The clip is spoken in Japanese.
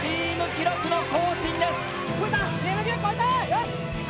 よし！